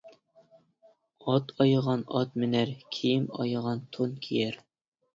ئات ئايىغان ئات مىنەر، كىيىم ئايىغان تون كىيەر.